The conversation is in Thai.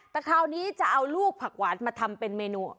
แต่คราวนี้จะเอาลูกผักหวานมาทำเป็นเมนู